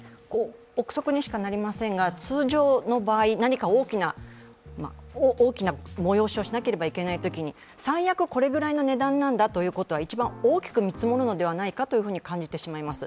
憶測にしかなりませんが、通常の場合、何か大きな催しをしなければいけないときに、最悪これくらいの値段なんだということは一番大きく見積もるのではないかと感じてしまいます。